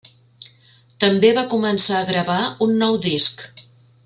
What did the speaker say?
També va començar a gravar un nou disc.